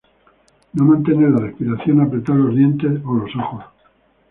No mantener la respiración, apretar los dientes o los ojos.